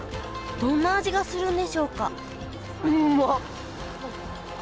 どんな味がするんでしょうか？